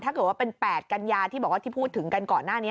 ถ้าเกิดว่าเป็น๘กัญญาที่พูดถึงก่อนหน้านี้